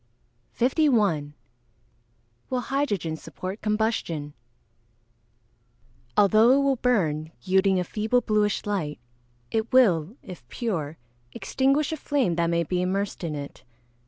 51. Will hydrogen support combustion? Although it will burn, yielding a feeble bluish light, it will, if pure, extinguish a flame that may be immersed in it.